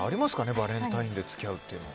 バレンタインデーに付き合うっていうのは。